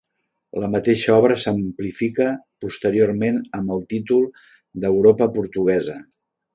La mateixa obra s'amplifica posteriorment amb el títol de "Europa portuguesa".